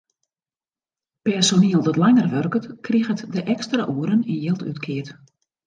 Personiel dat langer wurket, kriget de ekstra oeren yn jild útkeard.